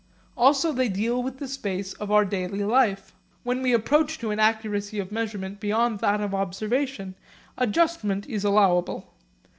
Also they deal with the space of our daily life. When we approach to an accuracy of measurement beyond that of observation, adjustment is allowable.